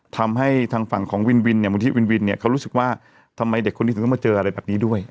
ทำให้ทางฝั่งของวินเนี่ยมุมทิวินเนี่ยเขารู้สึกว่าทำไมเด็กคนนี้ถึงจะมาเจออะไรแบบนี้ด้วย